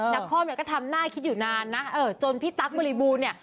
คอมเนี่ยก็ทำหน้าคิดอยู่นานนะจนพี่ตั๊กบริบูรณ์เนี่ย